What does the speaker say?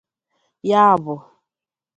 Ya bụ